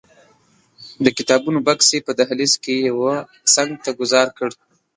د کتابونو بکس یې په دهلیز کې یوه څنګ ته ګوزار کړ.